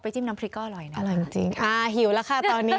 ไปจิ้มน้ำพริกก็อร่อยนะคะจริงอะหิวแล้วค่ะตอนนี้